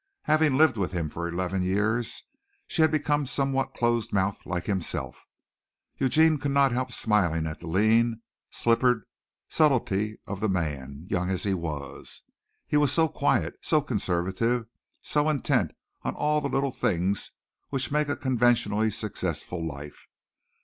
Having lived with him for eleven years, she had become somewhat close mouthed like himself. Eugene could not help smiling at the lean, slippered subtlety of the man, young as he was. He was so quiet, so conservative, so intent on all the little things which make a conventionally successful life.